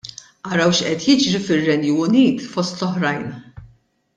Araw x'qed jiġri fir-Renju Unit, fost l-oħrajn.